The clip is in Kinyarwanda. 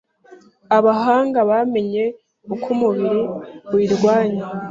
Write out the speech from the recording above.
Abahanga bamenye uko umubiri uyirwanyaa